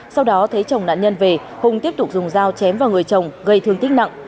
sau đó thấy chồng nạn nhân về hùng tiếp tục dùng dao chém vào người chồng gây thương tích nặng